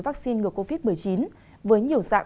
vaccine ngừa covid một mươi chín với nhiều dạng